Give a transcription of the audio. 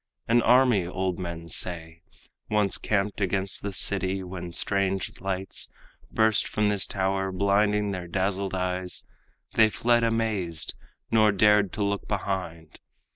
An army, old men say, Once camped against the city, when strange lights Burst from this tower, blinding their dazzled eyes. They fled amazed, nor dared to look behind.